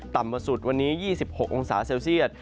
ต่ำมาสุดวันนี้๒๖องศาเซียด